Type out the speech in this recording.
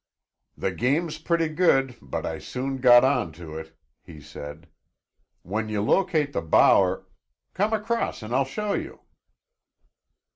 "The game's pretty good, but I soon got on to it," he said. "When you locate the bower Come across and I'll show you."